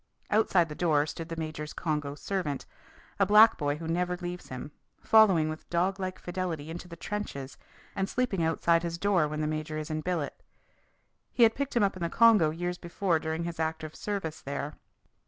Outside the door stood the major's Congo servant, a black boy who never leaves him, following with dog like fidelity into the trenches and sleeping outside his door when the major is in billet. He had picked him up in the Congo years before during his active service there.